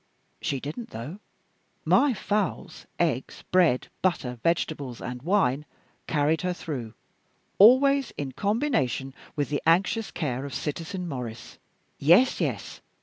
She didn't though. My fowls, eggs, bread, butter, vegetables, and wine carried her through always in combination with the anxious care of Citizen Maurice. Yes, yes!